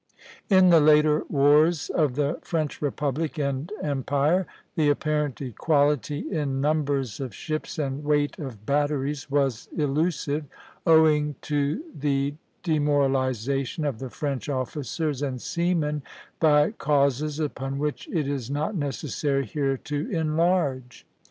In the later wars of the French Republic and Empire, the apparent equality in numbers of ships and weight of batteries was illusive, owing to the demoralization of the French officers and seamen by causes upon which it is not necessary here to enlarge.